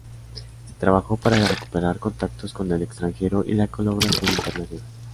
Se trabajó para recuperar contactos con el extranjero y la colaboración internacional.